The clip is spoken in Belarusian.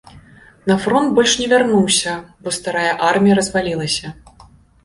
На фронт больш не вярнуўся, бо старая армія развалілася.